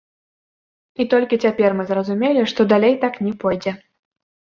І толькі цяпер мы зразумелі, што далей так не пойдзе.